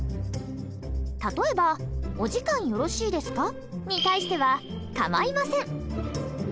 例えば「お時間よろしいですか？」に対しては「かまいません」。